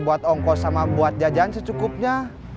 buat ongkos sama buat jajan secukupnya